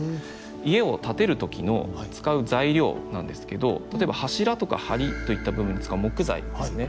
家を建てる時の使う材料なんですけど例えば柱とか梁といった部分に使う木材ですね。